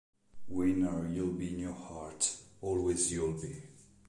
Winner you’ll be in your heart, always you’ll be.